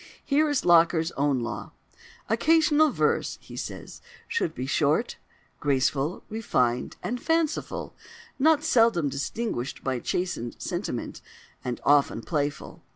Here is Locker's own law: "Occasional verse," he says, "should be short, graceful, refined, and fanciful, not seldom distinguished by chastened sentiment, and often playful.